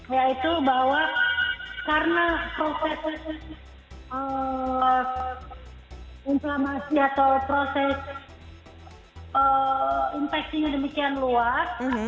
yaitu bahwa karena proses inflamasi atau proses infeksinya demikian luas